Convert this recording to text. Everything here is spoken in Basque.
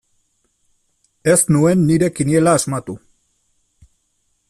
Ez nuen nire kiniela asmatu.